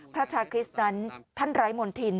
พระชาคริสต์นั้นท่านไร้มนธิน